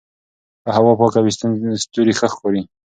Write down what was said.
که هوا پاکه وي ستوري ښه ښکاري.